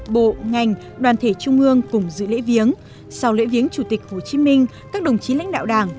bộ ngành đoàn thể trung ương cùng dự lễ viếng sau lễ viếng chủ tịch hồ chí minh các đồng chí lãnh đạo đảng